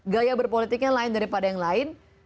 gaya berpolitiknya lain daripada yang lain